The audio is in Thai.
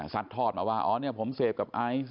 ทอดมาว่าอ๋อเนี่ยผมเสพกับไอซ์